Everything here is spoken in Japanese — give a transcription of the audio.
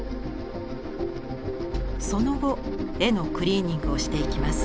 その後絵のクリーニングをしていきます。